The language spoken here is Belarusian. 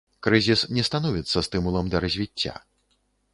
Крызіс не становіцца стымулам да развіцця.